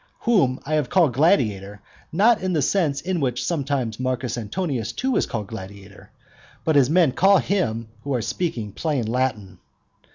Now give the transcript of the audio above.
whom I have called gladiator, not in the sense in which sometimes Marcus Antonius too is called gladiator, but as men call him who are speaking plain Latin.